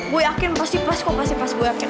gue yakin pasti pas kok pasti pas gue yakin